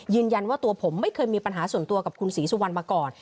ยืนยันว่าตัวผมไม่เคยมีปัญหาส่วนตัวกับคุณศรีสุวรรณมาก่อน